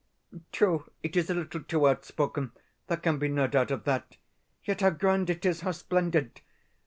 True, it is a little too outspoken there can be no doubt of that; yet how grand it is, how splendid!